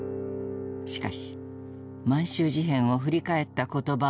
しかし満州事変を振り返った言葉はほとんどない。